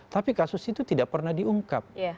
tapi kasus itu tidak pernah diungkap